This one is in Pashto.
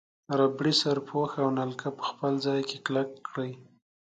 ربړي سرپوښ او نلکه په خپل ځای کې کلک کړئ.